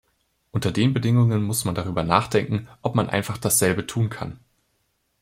Unter den Bedingungen muss man darüber nachdenken, ob man einfach dasselbe tun kann.